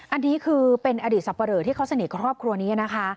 อันนี้คือเป็นอดีตสับปะเหลอที่เขาสนิทกับครอบครัวนี้นะคะ